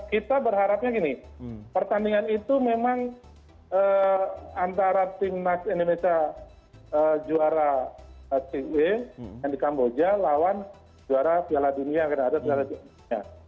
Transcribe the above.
kita berharapnya gini pertandingan itu memang antara timnas indonesia juara cw yang di kamboja lawan juara piala dunia